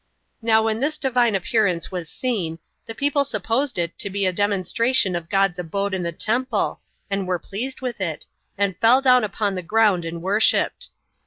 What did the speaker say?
Now when this Divine appearance was seen, the people supposed it to be a demonstration of God's abode in the temple, and were pleased with it, and fell down upon the ground and worshipped.